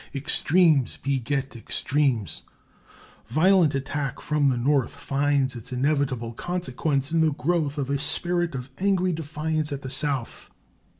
Extremes beget extremes. Violent attack from the North finds its inevitable consequence in the growth of a spirit of angry defiance at the South.